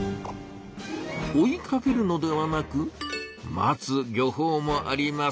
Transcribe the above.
追いかけるのではなく待つ漁法もあります。